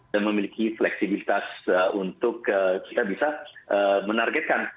dan memiliki fleksibilitas untuk kita bisa menargetkan